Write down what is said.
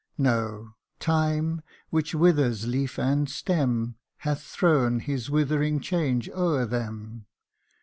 No time which withers leaf and stem Hath thrown his withering change o^er them.